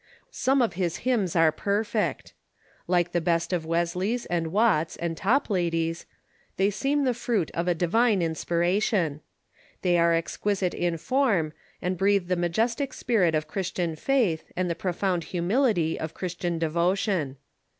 Some of his hymns are perfect Like the best of Wesley's and Watts's and Toj^lady's, they seem the fruit of a divine inspiration. They are exquisite in form, and breathe the majestic spirit of Christian faith and the profound humility of Christian devotion.